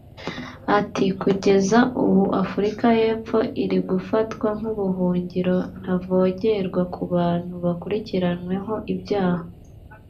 Ati “Kugeza ubu Afurika y’Epfo iri gufatwa nk’ubuhungiro ntavogerwa ku bantu bakurikiranyweho ibyaha